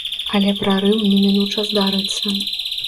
Але прарыў немінуча здарыцца.